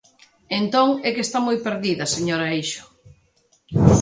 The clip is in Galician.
Entón é que está moi perdida, señora Eixo.